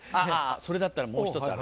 それだったらもう１つある。